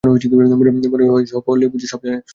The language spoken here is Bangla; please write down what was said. মনে হয়, সকলে বুঝি সব জানে।